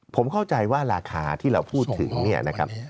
ผมเข้าใจว่าราคาที่เราพูดถึงเนี่ยนะครับ